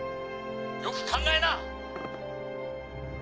よく考えな！